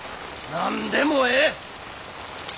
何でもええ！